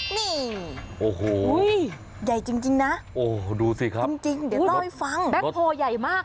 นี่ใหญ่จริงนะจริงเดี๋ยวต้อยฟังโอ้โหดูสิครับ